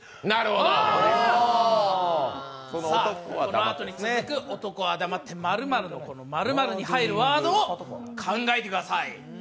このあとに続く男は黙って○○、○○に入るワードを考えてください。